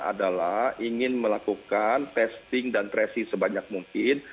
adalah ingin melakukan testing dan tracing sebanyak mungkin